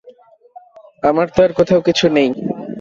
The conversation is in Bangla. আমার তো আর কোথাও কিছু নেই।